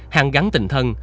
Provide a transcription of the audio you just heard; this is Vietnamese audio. hàng gắn tình thân